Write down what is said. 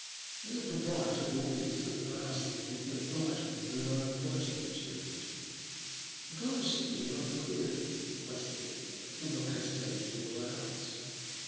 When the proprietor brought me the food, I asked him if he could oblige me with the loan of writing materials. He glanced at me rather queerly, I thought, but did not hesitate to do what I asked.